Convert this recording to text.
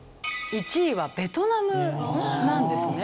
１位はベトナムなんですね。